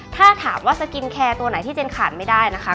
ถ้าถามว่าสกินแคร์ตัวไหนที่เจนขาดไม่ได้นะคะ